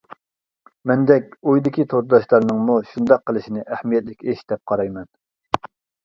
مەندەك ئويدىكى تورداشلارنىڭمۇ شۇنداق قىلىشىنى ئەھمىيەتلىك ئىش دەپ قارايمەن.